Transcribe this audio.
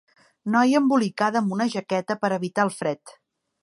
Noia embolicada amb una jaqueta per evitar el fred.